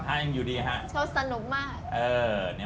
เขาสนุกมาก